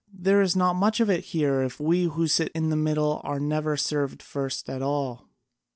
There's not much of it here, if we who sit in the middle are never served first at all!'